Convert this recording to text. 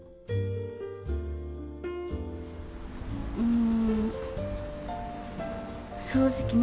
うん。